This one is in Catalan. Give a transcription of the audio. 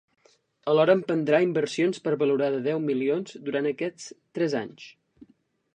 Alhora emprendrà inversions per valor de deu milions durant aquests tres anys.